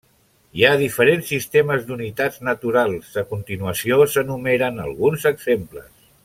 Hi ha diferents sistemes d'unitats naturals, a continuació s'enumeren alguns exemples.